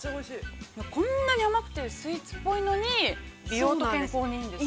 ◆こんなに甘くて、スイーツっぽいのに、美容と健康にいいんですか。